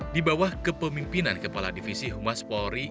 di bawah kepemimpinan kepala divisi humas polri